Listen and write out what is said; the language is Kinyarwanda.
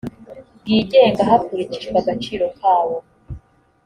bwigenga hakurikijwe agaciro kawo